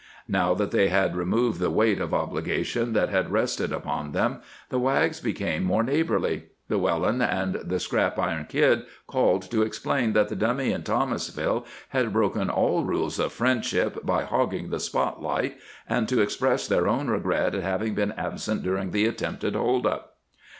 Now that they had removed the weight of obligation that had rested upon them, the Wags became more neighborly. Llewellyn and the Scrap Iron Kid called to explain that the Dummy and Thomasville had broken all rules of friendship by "hogging the spotlight" and to express their own regret at having been absent during the attempted hold up.